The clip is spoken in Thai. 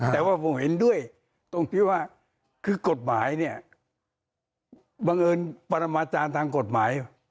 แต่ว่าผมเห็นด้วยตรงที่ว่าคือกฎหมายเนี่ยบังเอิญปรมาจารย์ทางกฎหมาย